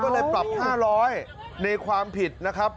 ก็เลยปรับ๕๐๐ในความผิดนะครับ